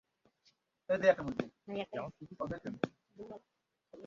যাও শ্রুতি তুমি প্রেমে পড়েছো?